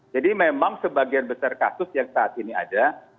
jadi memang sebagian besar kasus yang saat ini ada